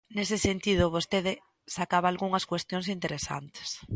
Nese sentido, vostede sacaba algunhas cuestións interesantes.